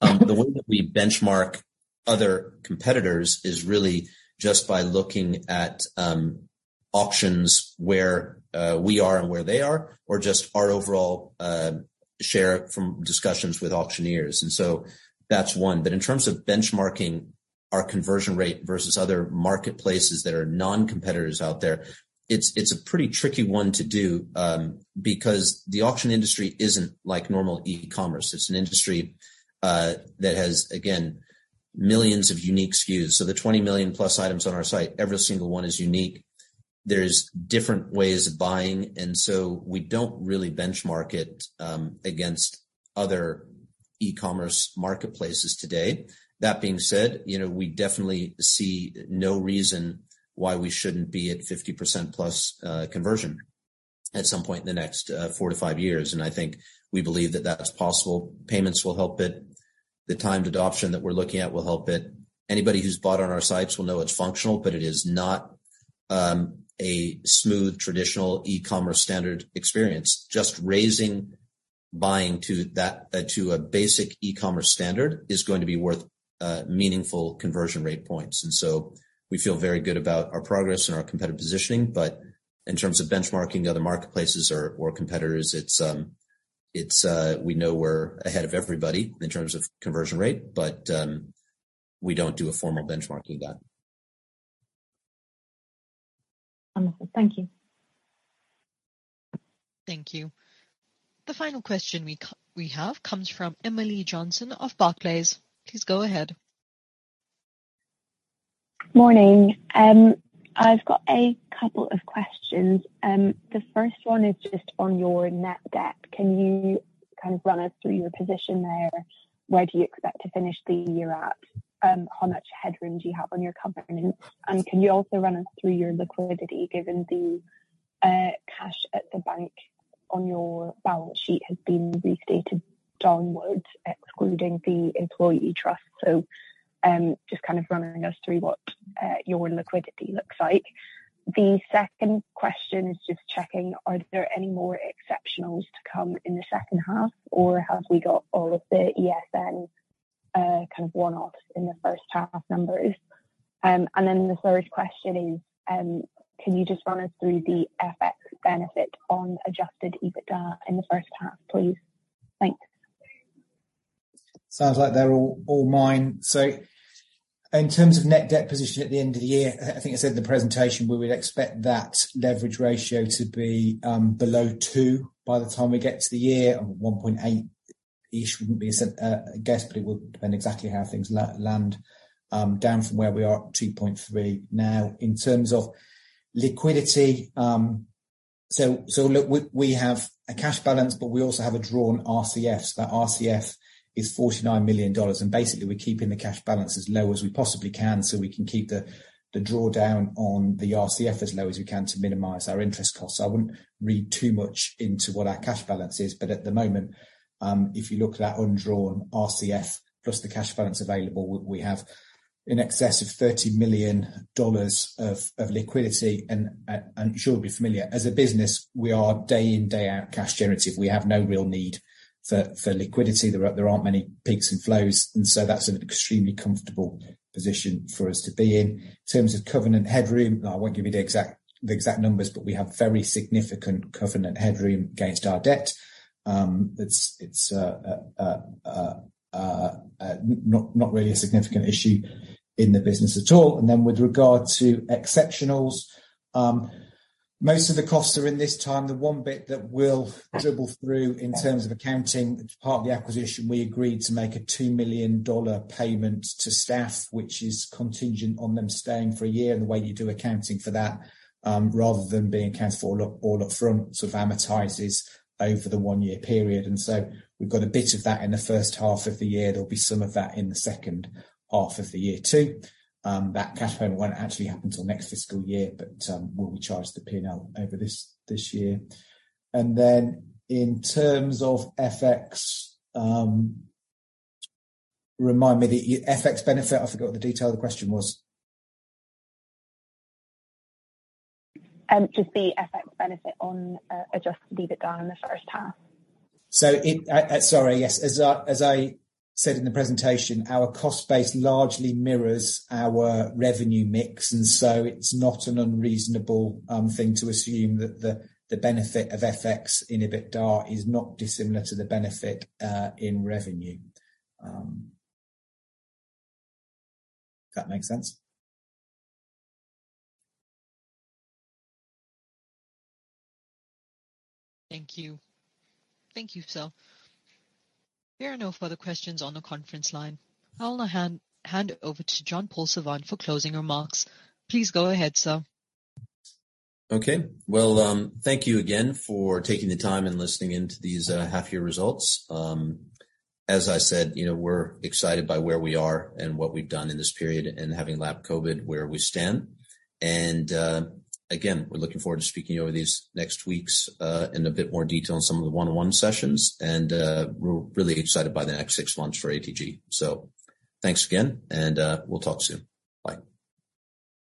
the way that we benchmark other competitors is really just by looking at auctions where we are and where they are, or just our overall share from discussions with auctioneers. That's one. In terms of benchmarking our conversion rate versus other marketplaces that are non-competitors out there, it's a pretty tricky one to do because the auction industry isn't like normal e-commerce. It's an industry that has, again, millions of unique SKUs. The 20 million plus items on our site, every single one is unique. There's different ways of buying. We don't really benchmark it against other e-commerce marketplaces today. That being said, you know, we definitely see no reason why we shouldn't be at 50% plus conversion at some point in the next 4 to 5 years. I think we believe that that's possible. Payments will help it. The timed auctions that we're looking at will help it. Anybody who's bought on our sites will know it's functional, but it is not a smooth traditional e-commerce standard experience. Just raising buying to a basic e-commerce standard is going to be worth meaningful conversion rate points. We feel very good about our progress and our competitive positioning. In terms of benchmarking other marketplaces or competitors, it's, we know we're ahead of everybody in terms of conversion rate, but we don't do a formal benchmarking of that. Wonderful. Thank you. Thank you. The final question we have comes from Emily Johnson of Barclays. Please go ahead. Morning. I've got a couple of questions. The first one is just on your net debt. Can you kind of run us through your position there? Where do you expect to finish the year at? How much headroom do you have on your covenants? Can you also run us through your liquidity, given the cash at the bank on your balance sheet has been restated downwards, excluding the employee trust? Just kind of running us through what your liquidity looks like. The second question is just checking, are there any more exceptionals to come in the second half, or have we got all of the ESN kind of one-offs in the first half numbers? The third question is, can you just run us through the FX benefit on Adjusted EBITDA in the first half, please? Thanks. Sounds like they're all mine. In terms of net debt position at the end of the year, I think I said in the presentation, we would expect that leverage ratio to be below two by the time we get to the year. 1.8-ish wouldn't be a guess, but it would depend exactly how things land down from where we are at 2.3 now. In terms of liquidity, look, we have a cash balance, but we also have a drawn RCF. That RCF is $49 million, and basically we're keeping the cash balance as low as we possibly can so we can keep the drawdown on the RCF as low as we can to minimize our interest costs. I wouldn't read too much into what our cash balance is. At the moment, if you look at that undrawn RCF plus the cash balance available, we have in excess of $30 million of liquidity. Sure it'll be familiar. As a business, we are day in, day out cash generative. We have no real need for liquidity. There aren't many peaks and flows, that's an extremely comfortable position for us to be in. In terms of covenant headroom, I won't give you the exact numbers, we have very significant covenant headroom against our debt. It's not really a significant issue in the business at all. With regard to exceptionals, most of the costs are in this time. The one bit that will dribble through in terms of accounting, which is part of the acquisition, we agreed to make a $2 million payment to staff, which is contingent on them staying for a year. The way you do accounting for that, rather than being accounted for all up, all up front, sort of amortizes over the one-year period. We've got a bit of that in the first half of the year. There'll be some of that in the second half of the year too. That cash payment won't actually happen till next fiscal year, but we'll charge the P&L over this year. In terms of FX, remind me. The FX benefit, I forgot what the detail of the question was. Just the FX benefit on Adjusted EBITDA in the first half. Sorry, yes. As I said in the presentation, our cost base largely mirrors our revenue mix, it's not an unreasonable thing to assume that the benefit of FX in EBITDA is not dissimilar to the benefit in revenue. Does that make sense? Thank you. Thank you, sir. There are no further questions on the conference line. I will now hand it over to John-Paul Savant for closing remarks. Please go ahead, sir. Okay. Well, thank you again for taking the time and listening in to these half-year results. As I said, you know, we're excited by where we are and what we've done in this period and having lapped COVID where we stand. Again, we're looking forward to speaking over these next weeks in a bit more detail in some of the one-on-one sessions. We're really excited by the next six months for ATG. Thanks again, and we'll talk soon. Bye.